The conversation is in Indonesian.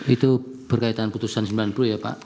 itu berkaitan putusan sembilan puluh ya pak